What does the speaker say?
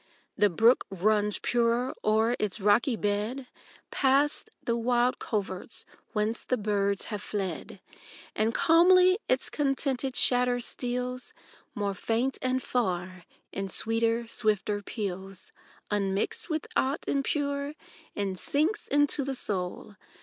The brook runs purer o'er its rocky bed. Past the wild coverts whence the birds have fled; And calmly its contented chatter steals More faint and far, in sweeter, swifter peals, Unmixed with ought impure, and sinks into the soul.